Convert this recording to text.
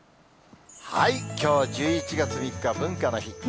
きょう１１月３日文化の日。